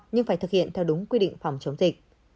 nhưng phải thực hiện theo đúng quy định phòng chống dịch